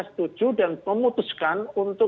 setuju dan memutuskan untuk